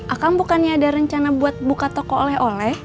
akan bukannya ada rencana buat buka toko oleh oleh